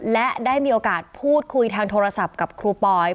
และได้มีโอกาสพูดคุยทางโทรศัพท์กับครูปอย